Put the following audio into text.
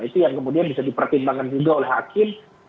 itu yang kemudian bisa dipertimbangkan juga oleh hakim